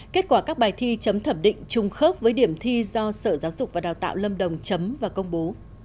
kết quả các bài thi chấm thẩm định trùng khớp với điểm thi do sở giáo dục và đào tạo lâm đồng chấm và công bố